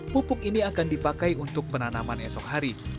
pupuk ini akan dipakai untuk penanaman esok hari